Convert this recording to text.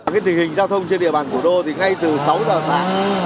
tình hình giao thông trên địa bàn của đô thì ngay từ sáu giờ sáng